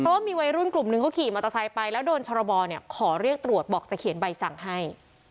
เพราะว่ามีวัยรุ่นกลุ่มนึงเขาขี่มอเตอร์ไซค์ไปแล้วโดนชรบขอเรียกตรวจบอกจะเขียนใบสั่งให้